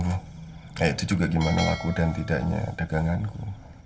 kayak itu juga gimana ngaku dan tidaknya daganganku